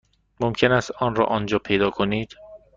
ممکن است آن را آنجا پیدا کنید.